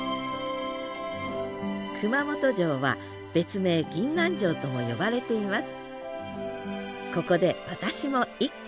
熊本城は別名銀杏城とも呼ばれています。